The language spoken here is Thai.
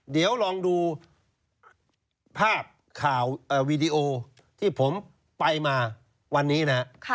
เดี๋ยวลองดูภาพข่าววีดีโอที่ผมไปมาวันนี้นะครับ